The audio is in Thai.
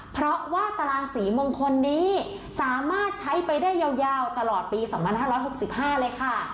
เพราะว่าตารางศรีมงคลนี้สามารถใช้ไปได้ยาวตลอดปี๒๕๖๕เลยค่ะ